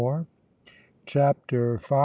CHAPTER V.